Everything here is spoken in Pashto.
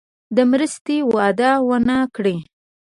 د مرستې وعده ونه کړي.